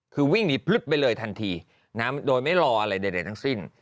คือวิ่งหนีพลึดไปเลยทันทีโดยไม่รออะไรใดทั้งสิ้น